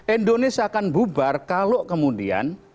indonesia akan bubar kalau kemudian